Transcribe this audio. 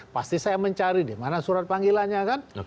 pasti saya mencari di mana surat panggilannya kan